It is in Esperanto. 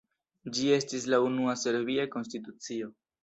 Ĝi estis la unua serbia konstitucio.